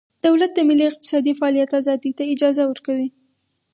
دولت د ملي اقتصادي فعالیت ازادۍ ته اجازه ورکوي